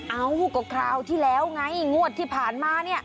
เอ้าก็คราวที่แล้วไงงวดที่ผ่านมาเนี่ย